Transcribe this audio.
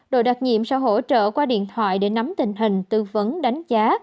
đội đặc nhiệm sẽ hỗ trợ qua điện thoại để nắm tình hình tư vấn đánh giá